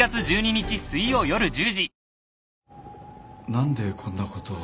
何でこんなことを。